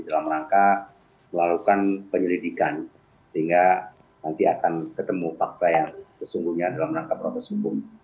dalam rangka melakukan penyelidikan sehingga nanti akan ketemu fakta yang sesungguhnya dalam rangka proses hukum